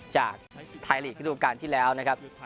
จากไทยลีกระดูกการที่แล้วนะครับ